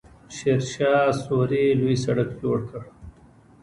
شیرشاه سوري لوی سړک جوړ کړ.